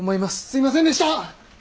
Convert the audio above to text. すいませんでした！